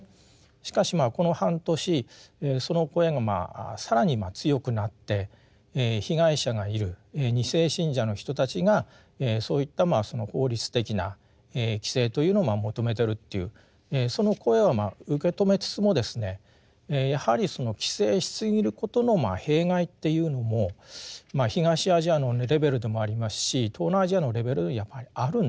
しかしまあこの半年その声が更に強くなって被害者がいる２世信者の人たちがそういった法律的な規制というのを求めてるというその声は受け止めつつもですねやはりその規制しすぎることの弊害っていうのも東アジアのレベルでもありますし東南アジアのレベルやっぱりあるんですよね。